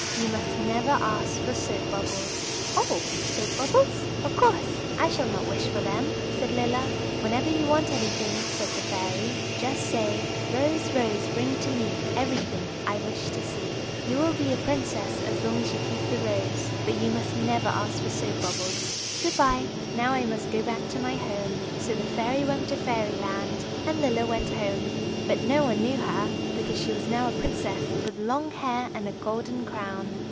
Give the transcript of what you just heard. "You must never ask for soap bubbles." "Oh, soap bubbles? Of course, I shall not wish for them!" said Lilla. "Whenever you want anything," said the fairy, "just say: "Rose, Rose, bring to me Everything I wish to see." "You will be a princess as long as you keep the rose. But you must never ask for soap bubbles. Good by; now I must go back to my home." So the fairy went to Fairyland, and Lilla went home; but no one knew her, because she was now a princess with long hair and a golden crown.